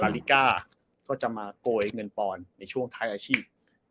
ลิก้าก็จะมาโกยเงินปอนด์ในช่วงท้ายอาชีพ